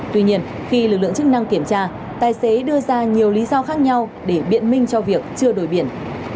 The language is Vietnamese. tuy nhiên khi lực lượng chức năng kiểm tra tài xế đưa ra nhiều lý do khác nhau để biện minh cho việc chưa đổi biển